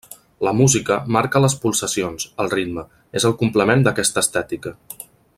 La música marca les pulsacions, el ritme, és el complement d'aquesta estètica.